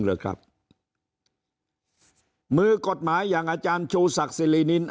เหรอครับมือกฎหมายอย่างอาจารย์ชูศักดิ์สิรินิน